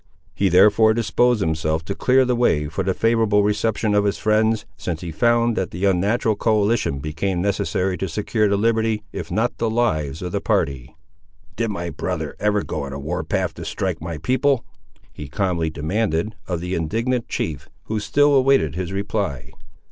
He therefore disposed himself to clear the way for the favourable reception of his friends, since he found that the unnatural coalition became necessary to secure the liberty, if not the lives, of the party. "Did my brother ever go on a war path to strike my people?" he calmly demanded of the indignant chief, who still awaited his reply.